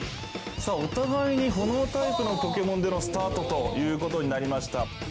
さぁお互いにほのおタイプのポケモスタートということになりました。